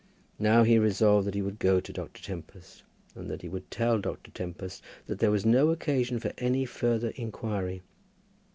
Now, he resolved that he would go to Dr. Tempest, and that he would tell Dr. Tempest that there was no occasion for any further inquiry.